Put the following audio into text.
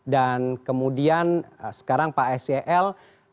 dan kemudian sekarang pak sel